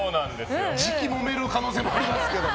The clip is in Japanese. じきにもめる可能性もありますけど。